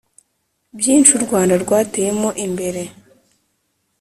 byinshi u Rwanda rwateyemo imbere